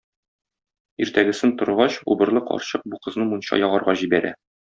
Иртәгесен торгач, убырлы карчык бу кызны мунча ягарга җибәрә.